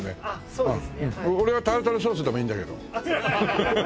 俺はタルタルソースでもいいんだけど。